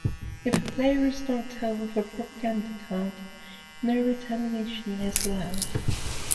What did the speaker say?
If a player is knocked out with a propaganda card, no retaliation is allowed.